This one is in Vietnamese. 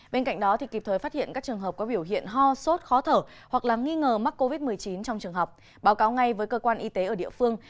bên cạnh đó kịp thời phát hiện các trường hợp có biểu hiện ho sốt khó thở hoặc nghi ngờ mắc covid một mươi chín trong trường học báo cáo ngay với cơ quan y tế ở địa phương